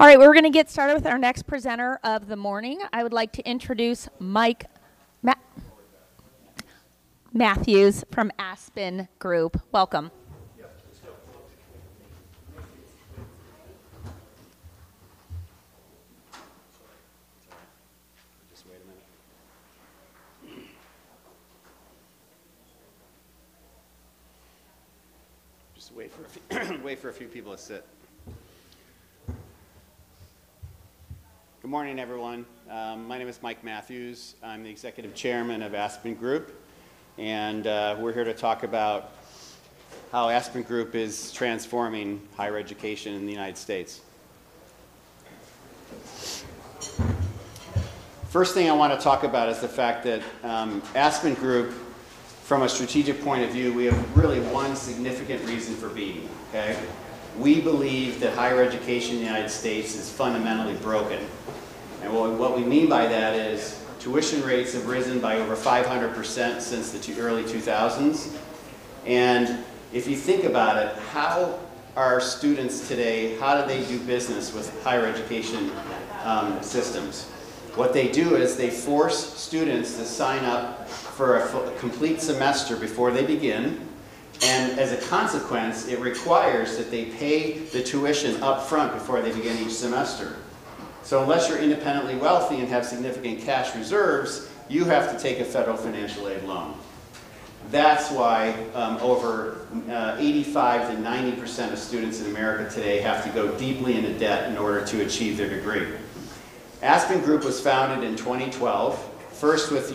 All right, we're gonna get started with our next presenter of the morning. I would like to introduce Mike Mathews from Aspen Group. Welcome. Yeah. Let's go. Just wait a minute. Just wait for a few people to sit. Good morning, everyone. My name is Mike Mathews. I'm the Executive Chairman of Aspen Group, and we're here to talk about how Aspen Group is transforming higher education in the United States. First thing I wanna talk about is the fact that Aspen Group, from a strategic point of view, we have really one significant reason for being, okay? We believe that higher education in the United States is fundamentally broken. What we mean by that is tuition rates have risen by over 500% since early 2000s. If you think about it, how are students today, how do they do business with higher education systems? What they do is they force students to sign up for a complete semester before they begin. As a consequence, it requires that they pay the tuition upfront before they begin each semester. Unless you're independently wealthy and have significant cash reserves, you have to take a federal financial aid loan. That's why, over 85%-90% of students in America today have to go deeply into debt in order to achieve their degree. Aspen Group was founded in 2012, first with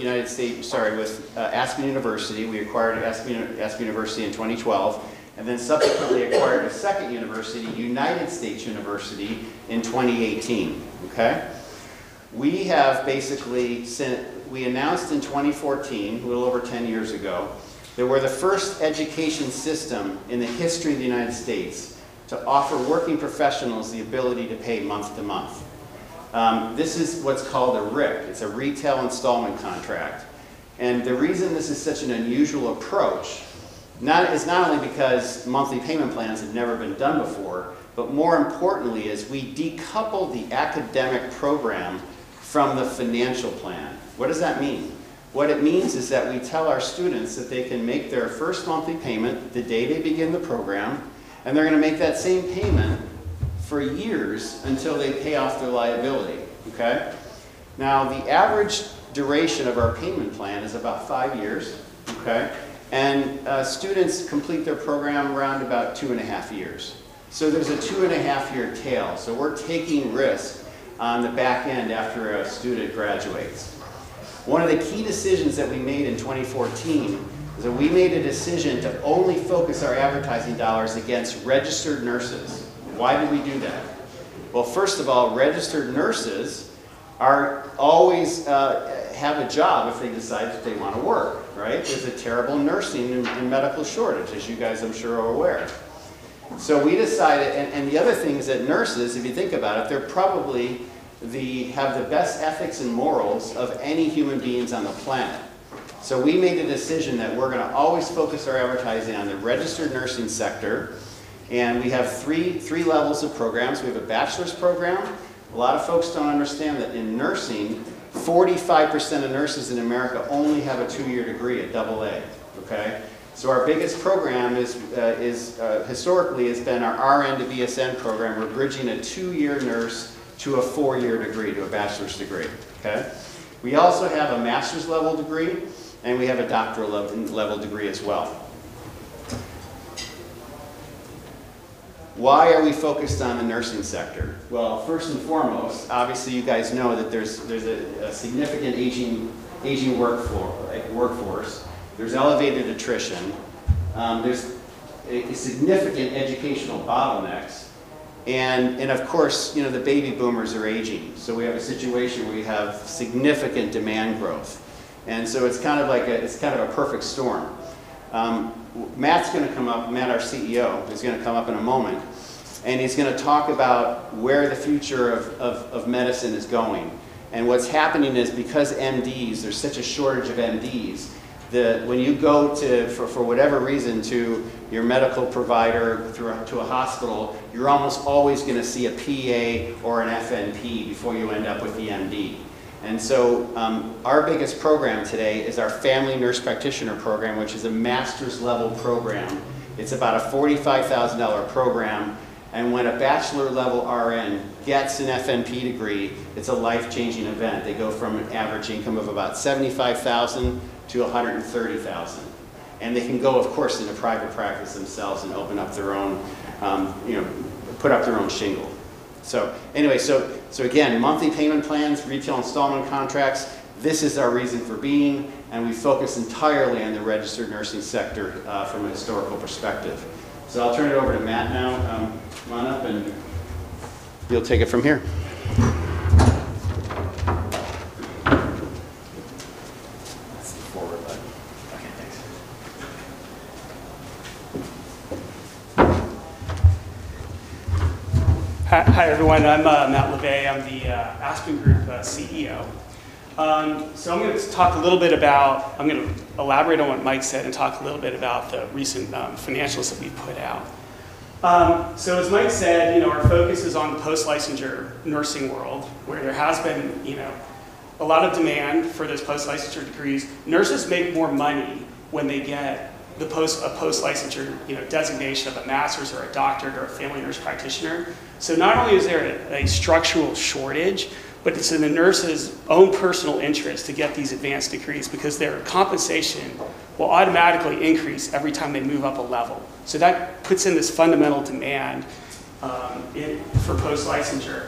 Aspen University. We acquired Aspen University in 2012, subsequently acquired a second university, United States University, in 2018. Okay? We have basically, we announced in 2014, a little over 10 years ago, that we're the first education system in the history of the United States to offer working professionals the ability to pay month to month. This is what's called a RIC. It's a retail installment contract. The reason this is such an unusual approach, is not only because monthly payment plans had never been done before, but more importantly is we decoupled the academic program from the financial plan. What does that mean? What it means is that we tell our students that they can make their first monthly payment the day they begin the program, and they're gonna make that same payment for years until they pay off their liability, okay? The average duration of our payment plan is about five years, okay? Students complete their program around about 2.5 years. There's a 2.5 year tail. We're taking risk on the back end after a student graduates. One of the key decisions that we made in 2014 is that we made a decision to only focus our advertising dollars against registered nurses. Why did we do that? Well, first of all, registered nurses always have a job if they decide that they wanna work, right? There's a terrible nursing and medical shortage, as you guys, I'm sure, are aware. The other thing is that nurses, if you think about it, they're probably have the best ethics and morals of any human beings on the planet. We made the decision that we're gonna always focus our advertising on the registered nursing sector. We have three levels of programs. We have a bachelor's program. A lot of folks don't understand that in nursing, 45% of nurses in America only have a two-year degree, an AA. Our biggest program historically has been our RN to BSN program. We're bridging a two-year nurse to a four-year degree, to a bachelor's degree. We also have a master's level degree, and we have a doctoral level degree as well. Why are we focused on the nursing sector? First and foremost, obviously, you guys know that there's a significant aging workforce. There's elevated attrition. There's a significant educational bottlenecks. Of course, you know, the baby boomers are aging, we have a situation where we have significant demand growth. It's kind of a perfect storm. Matt, our CEO, is gonna come up in a moment, and he's gonna talk about where the future of medicine is going. What's happening is because MDs, there's such a shortage of MDs, that when you go to, for whatever reason, to your medical provider, to a hospital, you're almost always gonna see a PA or an FNP before you end up with the MD. Our biggest program today is our family nurse practitioner program, which is a master's level program. It's about a $45,000 program. When a bachelor level RN gets an FNP degree, it's a life-changing event. They go from an average income of about $75,000 to $130,000. They can go, of course, into private practice themselves and open up their own, you know, put up their own shingle. Again, monthly payment plans, retail installment contracts, this is our reason for being, and we focus entirely on the registered nursing sector from a historical perspective. I'll turn it over to Matt now. Come on up, and you'll take it from here. That's the forward button. Okay, thanks. Hi, everyone. I'm Matt LaVay. I'm the Aspen Group CEO. I'm gonna talk a little bit about, I'm gonna elaborate on what Mike said and talk a little bit about the recent financials that we put out. As Mike said, you know, our focus is on post-licensure nursing world, where there has been, you know, a lot of demand for those post-licensure degrees. Nurses make more money when they get a post-licensure, you know, designation of a master's or a doctorate or a family nurse practitioner. Not only is there a structural shortage, but it's in the nurse's own personal interest to get these advanced degrees because their compensation will automatically increase every time they move up a level. That puts in this fundamental demand for post-licensure.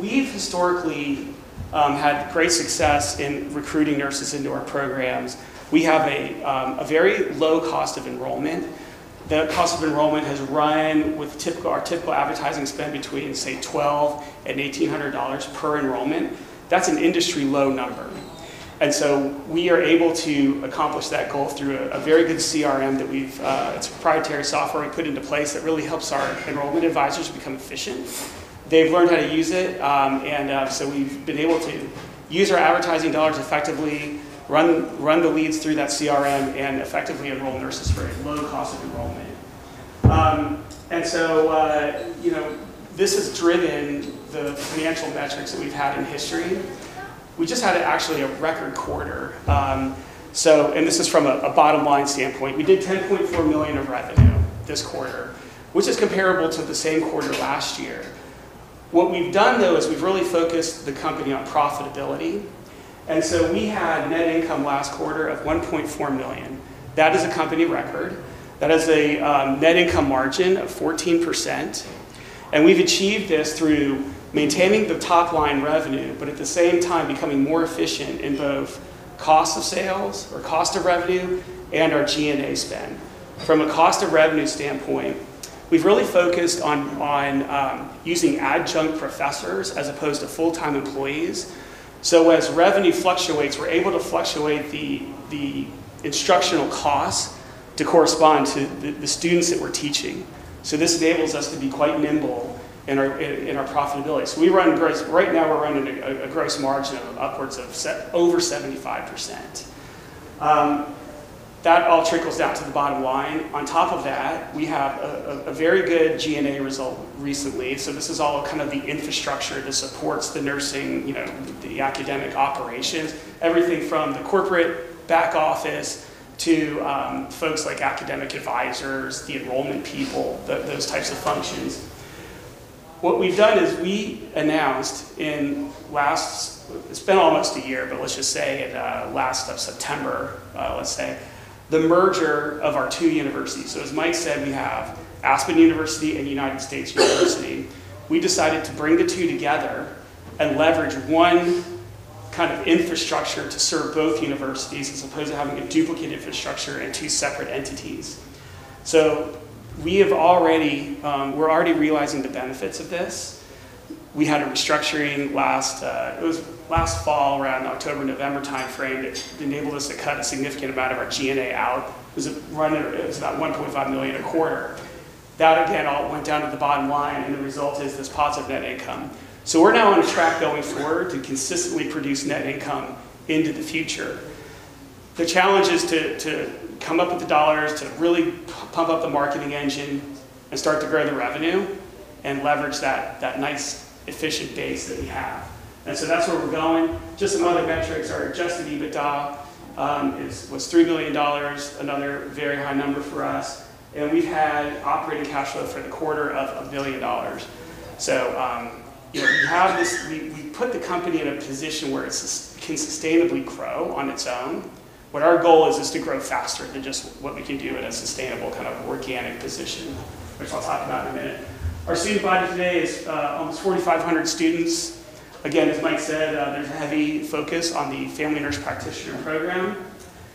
We've historically had great success in recruiting nurses into our programs. We have a very low cost of enrollment. The cost of enrollment has run with our typical advertising spend between, say, $1,200 and $1,800 per enrollment. That's an industry-low number. We are able to accomplish that goal through a very good CRM that we've, it's proprietary software we put into place that really helps our enrollment advisors become efficient. They've learned how to use it, and so we've been able to use our advertising dollars effectively, run the leads through that CRM, and effectively enroll nurses for a low cost of enrollment. You know, this has driven the financial metrics that we've had in history. We just had actually a record quarter. This is from a bottom-line standpoint. We did $10.4 million of revenue this quarter, which is comparable to the same quarter last year. What we've done, though, is we've really focused the company on profitability. We had net income last quarter of $1.4 million. That is a company record. That is a net income margin of 14%. We've achieved this through maintaining the top-line revenue, but at the same time becoming more efficient in both cost of sales or cost of revenue and our G&A spend. From a cost of revenue standpoint, we've really focused on using adjunct professors as opposed to full-time employees. As revenue fluctuates, we're able to fluctuate the instructional costs to correspond to the students that we're teaching. This enables us to be quite nimble in our profitability. We're running a gross margin of upwards of over 75%. That all trickles down to the bottom line. On top of that, we have a very good G&A result recently. This is all kind of the infrastructure that supports the nursing, you know, the academic operations. Everything from the corporate back office to folks like academic advisors, the enrollment people, those types of functions. What we've done is we announced in it's been almost a year, but let's just say at last of September, let's say, the merger of our two universities. As Mike said, we have Aspen University and United States University. We decided to bring the two together and leverage one kind of infrastructure to serve both universities as opposed to having a duplicate infrastructure and two separate entities. We are already realizing the benefits of this. We had a restructuring last, it was last fall around October, November timeframe that enabled us to cut a significant amount of our G&A out. It was about $1.5 million a quarter. That again all went down to the bottom line, and the result is this positive net income. We are now on a track going forward to consistently produce net income into the future. The challenge is to come up with the dollars to really pump up the marketing engine and start to grow the revenue and leverage that nice efficient base that we have. That is where we are going. Just some other metrics. Our adjusted EBITDA was $3 million, another very high number for us. We've had operating cash flow for the quarter of a million dollars. You know, we put the company in a position where it can sustainably grow on its own. What our goal is to grow faster than just what we could do at a sustainable kind of organic position, which I'll talk about in a minute. Our student body today is almost 4,500 students. Again, as Mike said, there's a heavy focus on the family nurse practitioner program.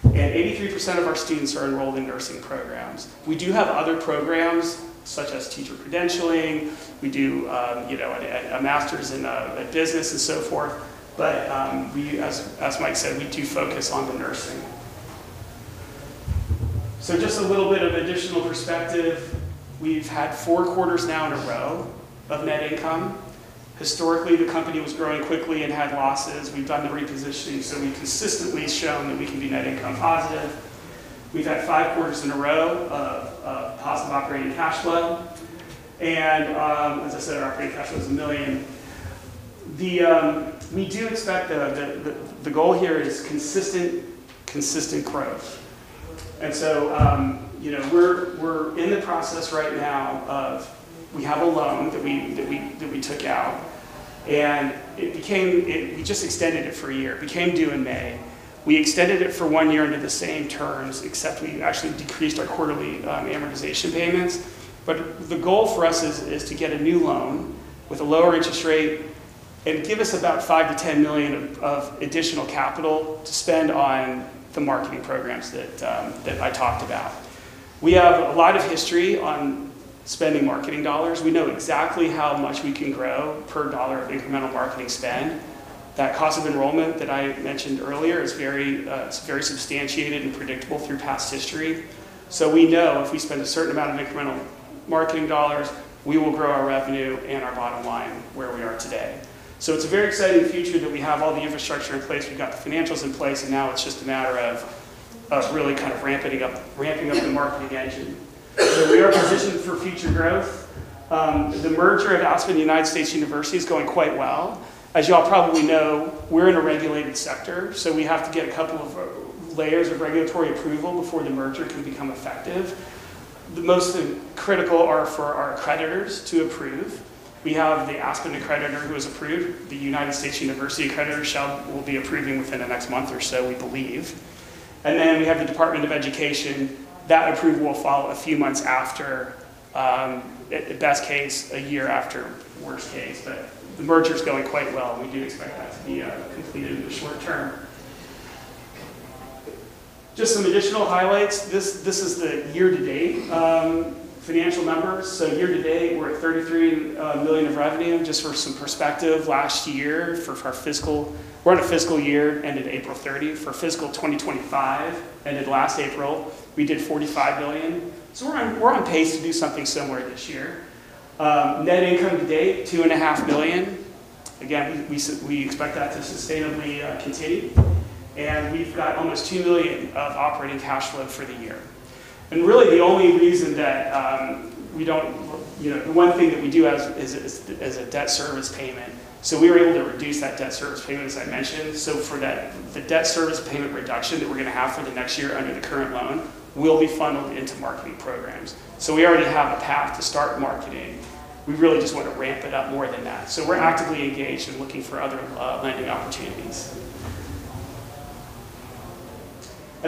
83% of our students are enrolled in nursing programs. We do have other programs, such as teacher credentialing. We do, you know, a master's in business and so forth. We as Mike said, we do focus on the nursing. Just a little bit of additional perspective. We've had four quarters now in a row of net income. Historically, the company was growing quickly and had losses. We've done the repositioning, so we've consistently shown that we can be net income positive. We've had five quarters in a row of positive operating cash flow. As I said, our operating cash flow is $1 million. We do expect the goal here is consistent growth. You know, we're in the process right now of we have a loan that we took out, and we just extended it for a year. It became due in May. We extended it for one year under the same terms, except we actually decreased our quarterly amortization payments. The goal for us is to get a new loan with a lower interest rate and give us about $5 million-$10 million of additional capital to spend on the marketing programs that I talked about. We have a lot of history on spending marketing dollars. We know exactly how much we can grow per dollar of incremental marketing spend. That cost of enrollment that I mentioned earlier is very substantiated and predictable through past history. We know if we spend a certain amount of incremental marketing dollars, we will grow our revenue and our bottom line where we are today. It's a very exciting future that we have all the infrastructure in place. We've got the financials in place. Now it's just a matter of us really kind of ramping up, ramping up the marketing engine. We are positioned for future growth. The merger of Aspen United States University is going quite well. As you all probably know, we're in a regulated sector. We have to get a couple of layers of regulatory approval before the merger can become effective. The most critical are for our accreditors to approve. We have the Aspen accreditor who has approved. The United States University accreditor will be approving within the next month or so, we believe. Then we have the Department of Education. That approval will follow a few months after, at best case, a year after, worst case. The merger's going quite well. We do expect that to be completed in the short term. Just some additional highlights. This is the year-to-date financial numbers. Year-to-date, we're at $33 million of revenue. Just for some perspective, last year for our fiscal year, ended April 30. For fiscal 2025, ended last April, we did $45 million. We're on pace to do something similar this year. Net income to date, $2.5 million. Again, we expect that to sustainably continue. We've got almost $2 million of operating cash flow for the year. Really the only reason that we don't, you know, the one thing that we do as a debt service payment, so we were able to reduce that debt service payment, as I mentioned. For that, the debt service payment reduction that we're gonna have for the next year under the current loan will be funneled into marketing programs. We already have a path to start marketing. We really just wanna ramp it up more than that. We're actively engaged in looking for other lending opportunities.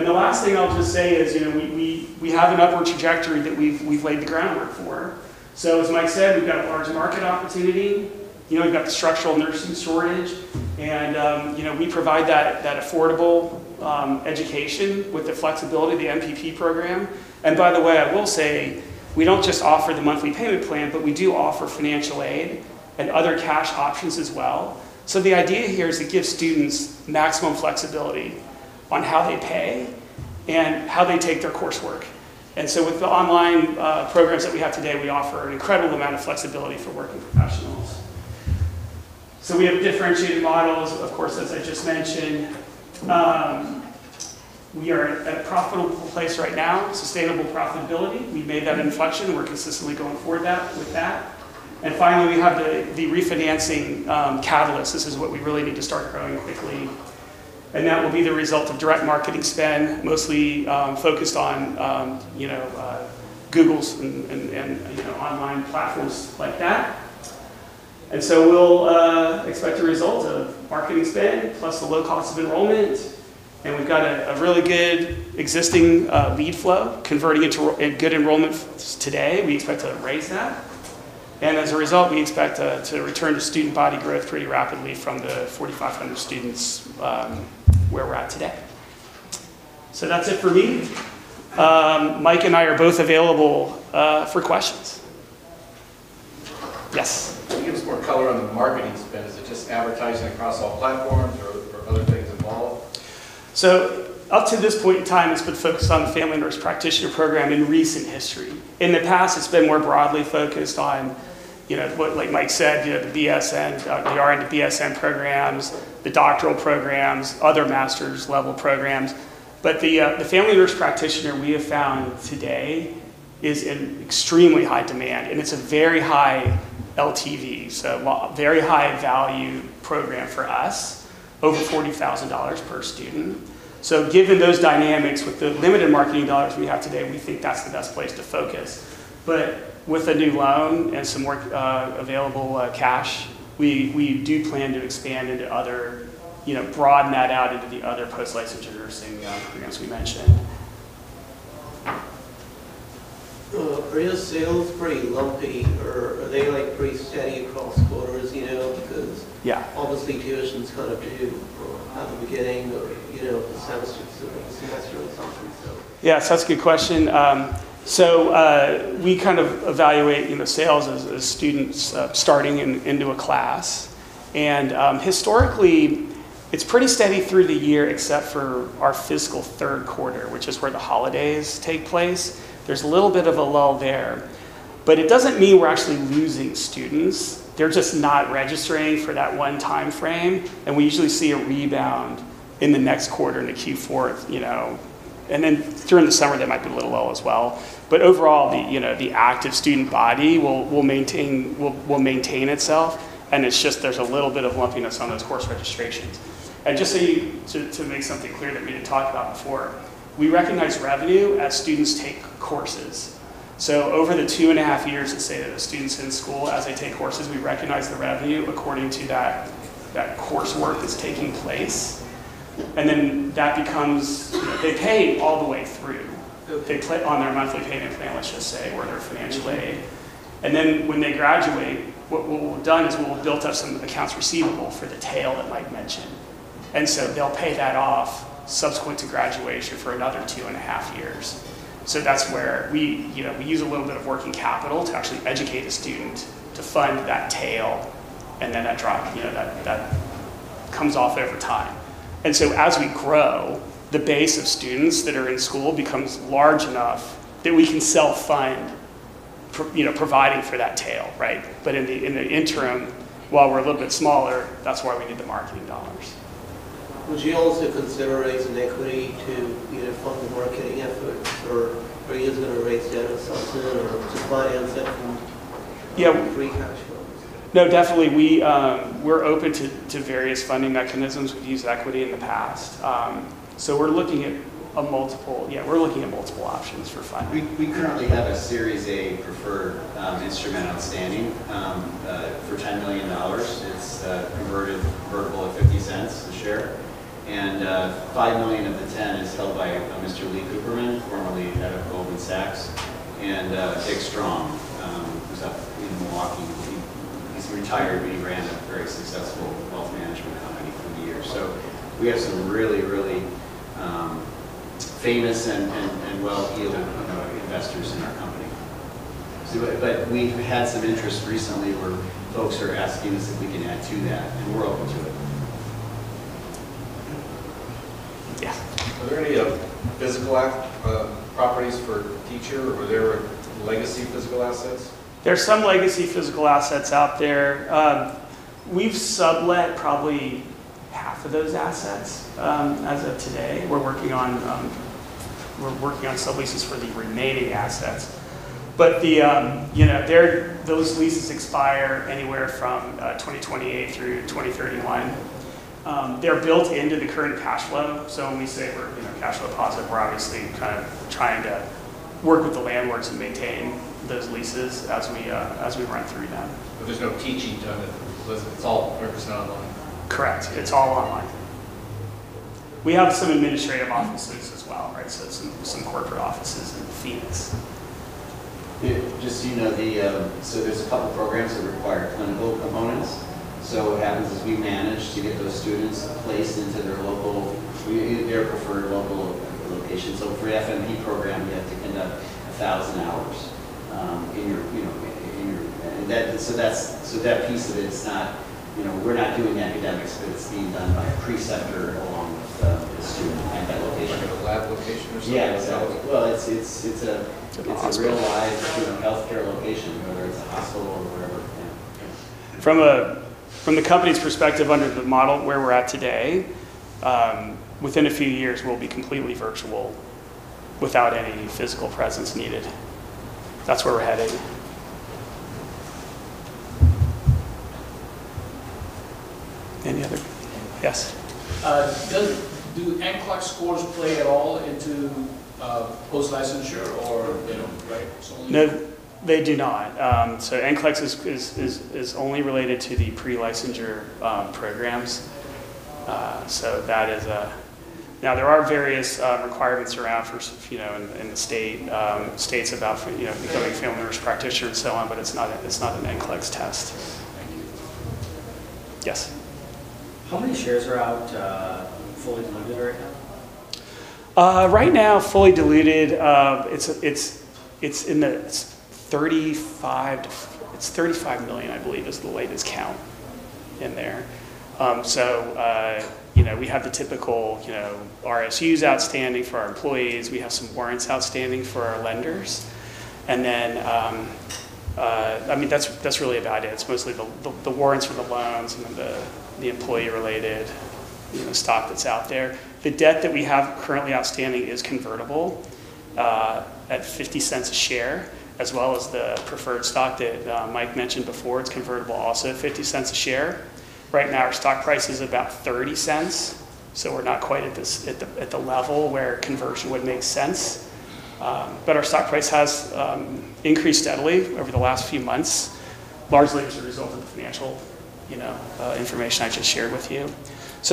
The last thing I'll just say is, you know, we have an upward trajectory that we've laid the groundwork for. As Mike said, we've got a large market opportunity. You know, we've got the structural nursing shortage and, you know, we provide that affordable education with the flexibility of the MPP program. By the way, I will say we don't just offer the monthly payment plan, but we do offer financial aid and other cash options as well. The idea here is to give students maximum flexibility on how they pay and how they take their coursework. With the online programs that we have today, we offer an incredible amount of flexibility for working professionals. We have differentiated models, of course, as I just mentioned. We are at a profitable place right now, sustainable profitability. We've made that inflection. We're consistently going forward that, with that. Finally, we have the refinancing catalyst. This is what we really need to start growing quickly, and that will be the result of direct marketing spend, mostly, focused on, you know, Google and, you know, online platforms like that. We'll expect a result of marketing spend plus the low cost of enrollment. We've got a really good existing lead flow converting into good enrollment today. We expect to raise that. As a result, we expect to return to student body growth pretty rapidly from the 4,500 students where we're at today. That's it for me. Mike and I are both available for questions. Yes. Can you give us more color on the marketing spend? Is it just advertising across all platforms or other things involved? Up to this point in time, it's been focused on the family nurse practitioner program in recent history. In the past, it's been more broadly focused on, you know, like Mike said, you know, the BSN, the RN to BSN programs, the doctoral programs, other master's level programs. The family nurse practitioner we have found today is in extremely high demand, and it's a very high LTV, so very high value program for us, over $40,000 per student. Given those dynamics with the limited marketing dollars we have today, we think that's the best place to focus. With a new loan and some more available cash, we do plan to expand into other, you know, broaden that out into the other post-licensure nursing programs we mentioned. Are your sales pretty lumpy or are they, like, pretty steady across quarters, you know? Yeah Obviously tuition's kind of due at the beginning or, you know, the semester to semester or something. Yes, that's a good question. We kind of evaluate, you know, sales as students starting into a class. Historically, it's pretty steady through the year except for our fiscal third quarter, which is where the holidays take place. There's a little bit of a lull there. It doesn't mean we're actually losing students. They're just not registering for that one timeframe, and we usually see a rebound in the next quarter, in the Q4, you know. During the summer, there might be a little lull as well. Overall, the, you know, the active student body will maintain itself, and it's just there's a little bit of lumpiness on those course registrations. Just so you to make something clear that we didn't talk about before, we recognize revenue as students take courses. Over the 2.5 years, let's say, that a student's in school, as they take courses, we recognize the revenue according to that coursework that's taking place. They pay all the way through. On their Monthly Payment Plan, let's just say, or their financial aid. When they graduate, what we'll have done is we'll have built up some accounts receivable for the tail that Mike mentioned. They'll pay that off subsequent to graduation for another 2.5 years. That's where we, you know, we use a little bit of working capital to actually educate the student to fund that tail and then that drop, you know, that comes off over time. As we grow, the base of students that are in school becomes large enough that we can self-fund. You know, providing for that tail, right? In the interim, while we're a little bit smaller, that's why we need the marketing dollars. Would you also consider raising equity to either fund the marketing efforts or are you just gonna raise debt or something or to finance it? Yeah Free cash flow basically? No, definitely we're open to various funding mechanisms. We've used equity in the past. Yeah, we're looking at multiple options for funding. We currently have a Series A preferred instrument outstanding for $10 million. It's converted convertible at $0.50 a share. Five million of the 10 is held by a Mr. Lee Cooperman, formerly head of Goldman Sachs, and Richard Strong, who's up in Milwaukee. He's retired, he ran a very successful wealth management company for years. We have some really famous and well-heeled, you know, investors in our company. We've had some interest recently where folks are asking us if we can add to that, we're open to it. Yeah. Are there any physical properties for teacher, or were there legacy physical assets? There are some legacy physical assets out there. We've sublet probably half of those assets as of today. We're working on subleases for the remaining assets. The, you know, those leases expire anywhere from 2028 through to 2031. They're built into the current cash flow. When we say we're, you know, cash flow positive, we're obviously kind of trying to work with the landlords and maintain those leases as we run through them. There's no teaching done at the classes. It's not online. Correct. It's all online. We have some administrative offices as well, right? some corporate offices in Phoenix. Just so you know, the, there's a couple programs that require clinical components. What happens is we manage to get those students placed into their local, their preferred local location. For FNP program, you have to conduct 1,000 hours, in your, you know, in your. That piece of it's not, you know, we're not doing academics, but it's being done by a preceptor along with the student at that location. Like at a lab location or something like that? Yeah, Well. It's a hospital. It's a real live, you know, healthcare location, whether it's a hospital or whatever, yeah. From the company's perspective under the model where we're at today, within a few years, we'll be completely virtual without any physical presence needed. That's where we're headed. Any other? Yes. Do NCLEX scores play at all into post-licensure or, you know, like? No, they do not. NCLEX is only related to the pre-licensure programs. There are various requirements around you know, in the states you know, becoming a family nurse practitioner and so on, but it's not an NCLEX test. Thank you. Yes. How many shares are out, fully diluted right now? Right now, fully diluted, it's 35 million, I believe, is the latest count in there. You know, we have the typical, you know, RSUs outstanding for our employees. We have some warrants outstanding for our lenders. I mean, that's really about it. It's mostly the warrants for the loans and the employee-related, you know, stock that's out there. The debt that we have currently outstanding is convertible at $0.50 a share, as well as the preferred stock that Mike mentioned before. It's convertible also at $0.50 a share. Right now, our stock price is about $0.30, we're not quite at the level where conversion would make sense. Our stock price has increased steadily over the last few months, largely as a result of the financial, you know, information I just shared with you.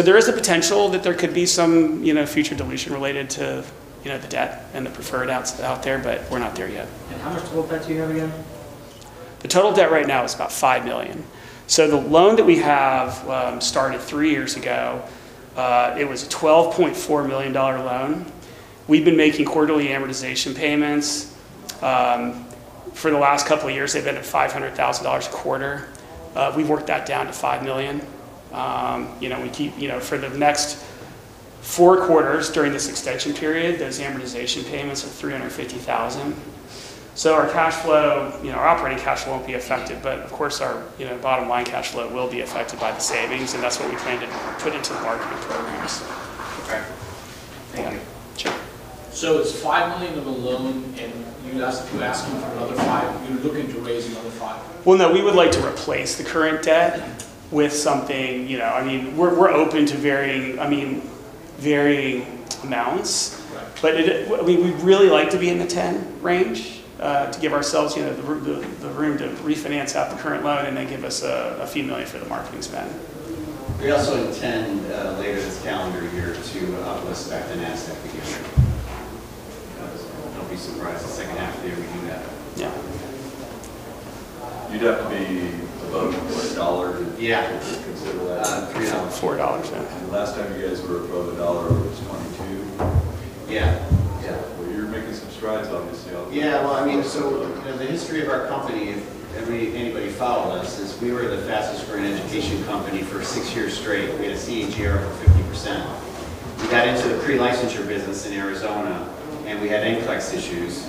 There is a potential that there could be some, you know, future dilution related to, you know, the debt and the preferred out there. We're not there yet. How much total debt do you have again? The total debt right now is about $5 million. The loan that we have, started three years ago, it was a $12.4 million loan. We've been making quarterly amortization payments. For the last couple of years, they've been at $500,000 a quarter. We've worked that down to $5 million. We keep for the next four quarters during this extension period, those amortization payments are $350,000. Our cash flow, our operating cash flow won't be affected, but of course, our bottom line cash flow will be affected by the savings, and that's what we plan to put into the marketing programs. Okay. Thank you. Sure. It's $5 million of a loan, and you're asking for another $5. You're looking to raise another $5 million. Well, no, we would like to replace the current debt with something, you know. I mean, we're open to varying amounts. Right. It, we'd really like to be in the 10 range to give ourselves, you know, the room, the room to refinance out the current loan and then give us a few million for the marketing spend. We also intend, later this calendar year to uplist back to NASDAQ again. Don't be surprised the second half of the year we do that. Yeah. You'd have to be above a dollar to- Yeah to consider that. $3. $4 now. The last time you guys were above $1 was 2022. Yeah. Yeah. You're making some strides obviously. Well, I mean, the history of our company, if anybody followed us, is we were the fastest growing education company for six years straight. We had a CAGR of 50%. We got into the pre-licensure business in Arizona, and we had NCLEX issues,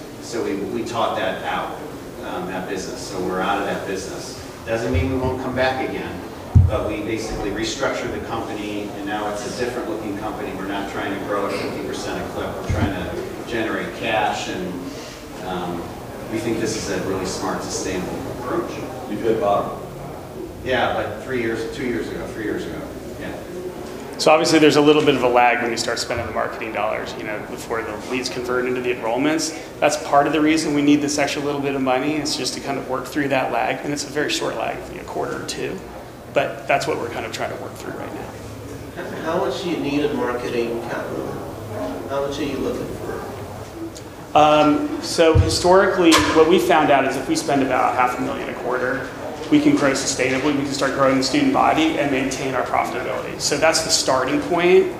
we taught that out, that business. We're out of that business. Doesn't mean we won't come back again, we basically restructured the company, now it's a different looking company. We're not trying to grow at 50% a clip. We're trying to generate cash, we think this is a really smart, sustainable approach. You did, Bob? Yeah, like three years, twto years ago, three years ago. Yeah. Obviously there's a little bit of a lag when you start spending the marketing dollars, you know, before the leads convert into the enrollments. That's part of the reason we need this extra little bit of money is just to kind of work through that lag, and it's a very short lag, you know, a quarter or two. That's what we're kind of trying to work through right now. How much do you need in marketing capital? How much are you looking for? Historically what we found out is if we spend about half a million a quarter, we can grow sustainably. We can start growing the student body and maintain our profitability. That's the starting point.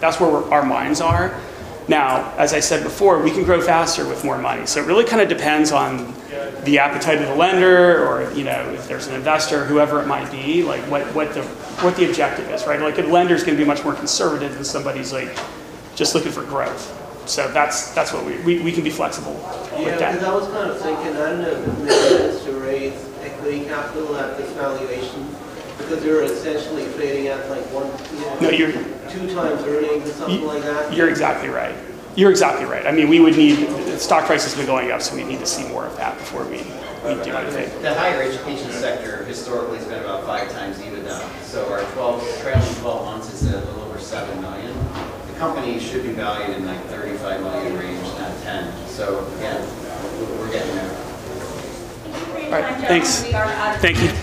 That's where our minds are. Now, as I said before, we can grow faster with more money. It really kind of depends on the appetite of the lender or, you know, if there's an investor, whoever it might be, like what the objective is, right? Like a lender's gonna be much more conservative than somebody who's like just looking for growth. That's what we can be flexible with that. Yeah, 'cause I was kind of thinking, I don't know if it makes sense to raise equity capital at this valuation because you're essentially trading at like. No, you're- two times earnings or something like that. You're exactly right. You're exactly right. I mean, the stock price has been going up, so we'd need to see more of that before we do anything. The higher education sector historically has been about 5x EBITDA. Our 12, trailing 12 months is a little over $7 million. The company should be valued in like $35 million range, not $10 million. Again, we're getting there. Thank you for your time, gentlemen. All right. Thanks. We are out of time. Thank you.